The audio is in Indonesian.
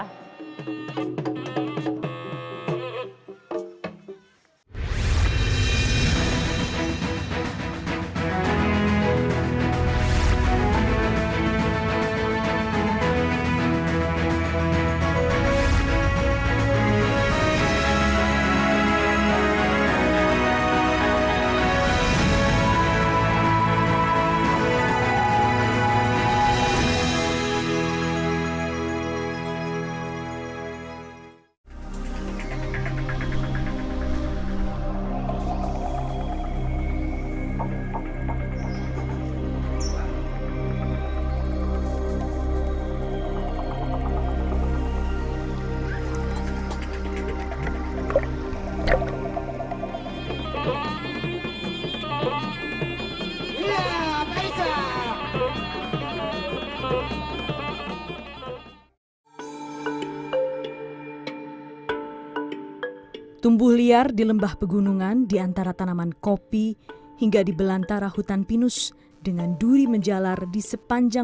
h transmissionin batak berwarna merah planes atau terbatas mengimaksanakan terbit dua seribu ractlence